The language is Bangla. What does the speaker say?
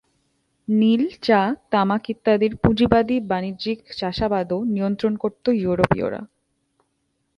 নীল, চা, তামাক ইত্যাদির পুঁজিবাদী বাণিজ্যিক চাষাবাদও নিয়ন্ত্রণ করত ইউরোপীয়রা।